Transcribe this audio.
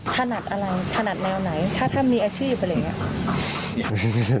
ถนัดอะไรถนัดแนวไหนถ้าท่านมีอาชีพอะไรอย่างนี้